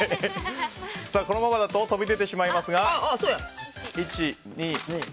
このままだと飛び出てしまいます。